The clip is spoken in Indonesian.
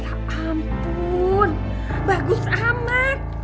ya ampun bagus amat